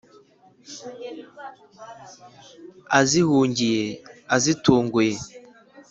azihungiye: azitunguye